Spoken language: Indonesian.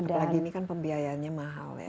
apalagi ini kan pembiayaannya mahal ya